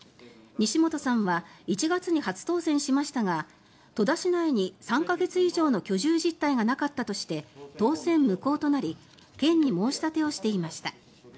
西本さんは１月に初当選しましたが戸田市内に３か月以上の居住実態がなかったとして当選無効となり県に申し立てをしていました。